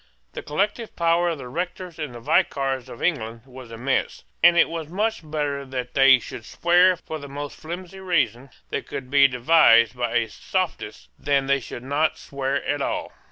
The collective power of the rectors and vicars of England was immense: and it was much better that they should swear for the most flimsy reason that could be devised by a sophist than they should not swear at all.